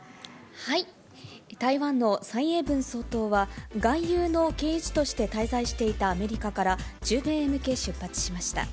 台湾の蔡英文総統は、外遊の経由地として滞在していたアメリカから、中米へ向け、出発しました。